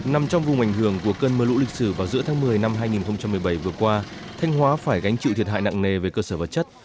nằm trong vùng ảnh hưởng của cơn mưa lũ lịch sử vào giữa tháng một mươi năm hai nghìn một mươi bảy vừa qua thanh hóa phải gánh chịu thiệt hại nặng nề về cơ sở vật chất